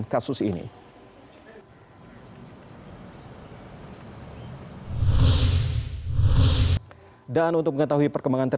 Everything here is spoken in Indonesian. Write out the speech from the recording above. hasil dari pertemuan itu